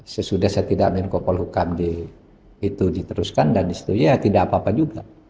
sesudah saya tidak menkopol hukum itu diteruskan dan setelah itu ya tidak apa apa juga